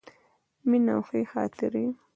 مینه او ښې خاطرې.